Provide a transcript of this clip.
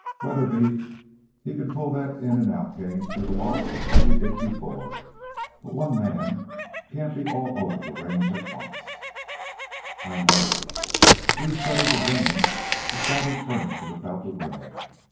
Weatherby he can pull that in and out game through the loft like he did before. But one man can't be all over the range at once." "I know." Drew studied the remnants of battered furniture about the room.